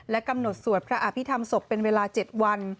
กำหนดสวดพระอภิษฐรรมศพเป็นเวลา๗วัน